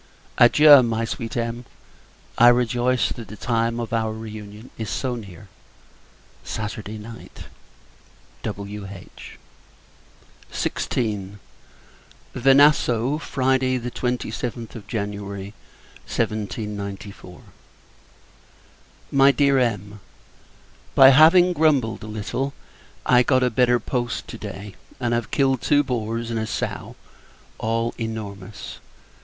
Adieu! my sweet Em. I rejoice that the time of our re union is so near Saturday night! W.H. XVI. Venasso, Friday, 27th January 1794. MY DEAR EM. By having grumbled a little, I got a better post to day; and have killed two boars and a sow, all enormous.